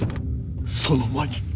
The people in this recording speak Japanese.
その間に。